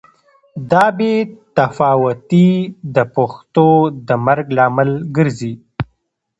دا بې تفاوتي د پښتو د مرګ لامل ګرځي.